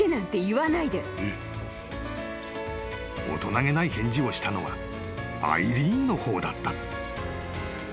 ［大人げない返事をしたのはアイリーンの方だった］